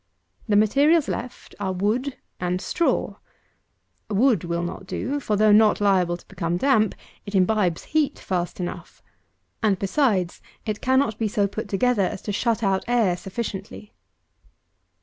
The materials are wood and straw. Wood will not do; for, though not liable to become damp, it imbibes heat fast enough; and, besides, it cannot be so put together as to shut out air sufficiently.